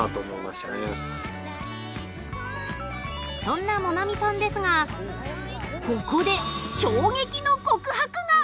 そんな萌菜見さんですがここで衝撃の告白が。